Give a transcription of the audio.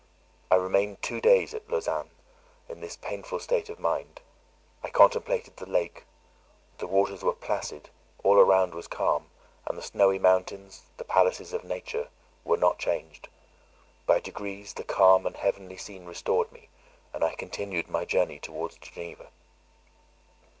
I remained two days at Lausanne, in this painful state of mind. I contemplated the lake: the waters were placid; all around was calm; and the snowy mountains, "the palaces of nature," were not changed. By degrees the calm and heavenly scene restored me, and I continued my journey towards Geneva.